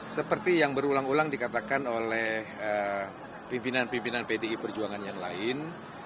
seperti yang berulang ulang dikatakan oleh pimpinan pimpinan pdi perjuangan yang lain